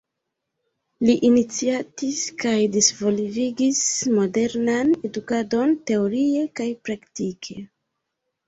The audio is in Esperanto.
Li iniciatis kaj disvolvis modernan edukadon teorie kaj praktike.